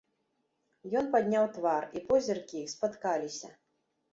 Ён падняў твар, і позіркі іх спаткаліся.